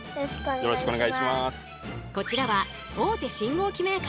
よろしくお願いします。